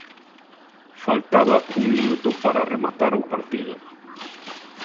Faltaba un minuto para rematar o partido.